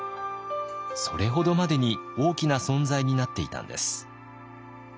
それほどまでに大きな存在になっていたんです。